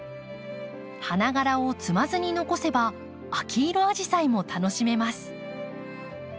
花がらを摘まずに残せば秋色アジサイも楽しめます。